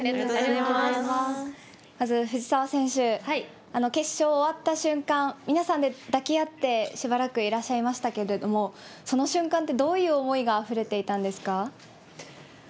まず藤澤選手、決勝終わった瞬間、皆さんで抱き合って、しばらくいらっしゃいましたけれども、その瞬間ってどういう思いがあふれていたんですか？